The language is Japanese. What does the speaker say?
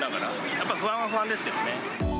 やっぱ不安は不安ですけどね。